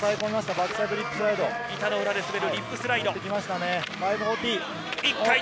板の裏で滑るリップスライド。